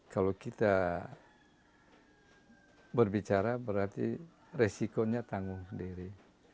kalau kita berbicara berarti resikonya tanggung sendiri